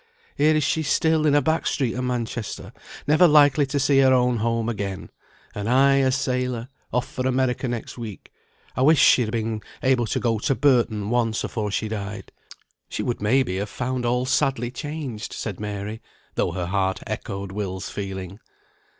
Here is she still in a back street o' Manchester, never likely to see her own home again; and I, a sailor, off for America next week. I wish she had been able to go to Burton once afore she died." "She would may be have found all sadly changed," said Mary, though her heart echoed Will's feeling.